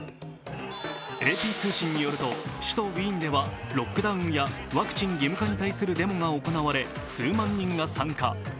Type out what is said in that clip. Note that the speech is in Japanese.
ＡＰ通信によりますと首都ウィーンではワクチン義務化に対するデモが行われ、数万人が参加。